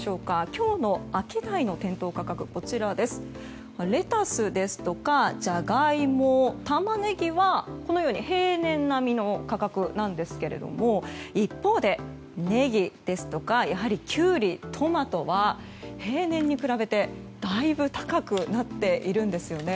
今日のアキダイの店頭価格はレタスやジャガイモ、タマネギは平年並みの価格なんですけれども一方で、ネギですとかキュウリ、トマトは平年に比べてだいぶ高くなっているんです。